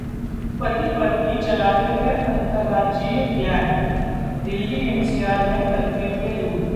पति-पत्नी चलाते थे अंतरराज्यीय गैंग, दिल्ली-एनसीआर में करते थे लूट